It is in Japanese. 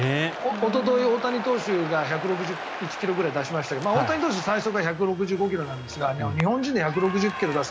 おととい、大谷投手が１６１ｋｍくらい出しましたが大谷投手は最速１６５ｋｍなんですが日本人で１６０ｋｍ出す。